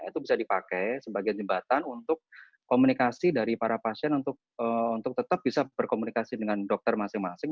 itu bisa dipakai sebagai jembatan untuk komunikasi dari para pasien untuk tetap bisa berkomunikasi dengan dokter masing masing